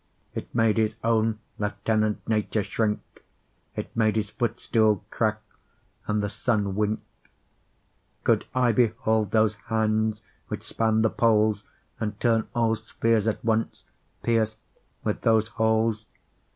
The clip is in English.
It made his owne Lieutenant Nature shrinke, It made his footstoole crack, and the Sunne winke. Could I behold those hands which span the Poles, And turne all spheares at once, peirc'd with those holes?